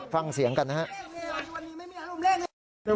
ฟังเสียงกันนะฮะ